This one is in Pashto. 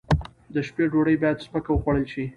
د شپې ډوډۍ باید سپکه وخوړل شي.